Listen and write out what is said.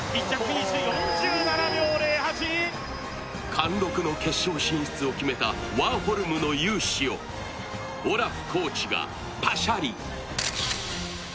貫禄の決勝進出を決めたワーホルムの雄姿をオラフコーチがパシャリ。